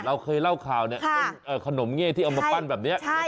เราเคยเล่าข่าวเนี้ยค่ะเอ่อขนมเง่ที่เอามาปั้นแบบเนี้ยใช่